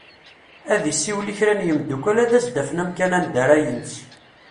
Ad isiwel i kra n yimddukal ad as-d-afen amkan anda ara ines.